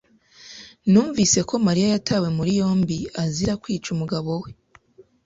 Numvise ko Mariya yatawe muri yombi azira kwica umugabo we.